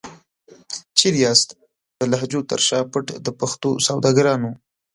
چيري یاست د لهجو تر شا پټ د پښتو سوداګرانو؟